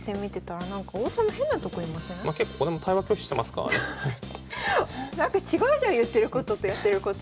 結構これも違うじゃん言ってることとやってること。